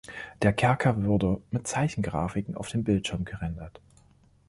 Der Kerker wurde mit Zeichengrafiken auf dem Bildschirm gerendert.